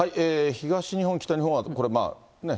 東日本、北日本はこれまあ、ね。